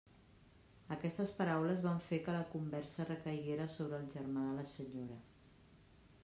Aquestes paraules van fer que la conversa recaiguera sobre el germà de la senyora.